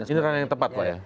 ini ranah yang tepat pak ya